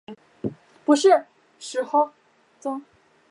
曾祖父宋思贤。